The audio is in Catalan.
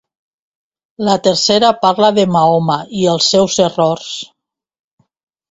La tercera parla de Mahoma i els seus errors.